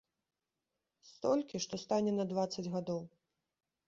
Столькі, што стане на дваццаць гадоў.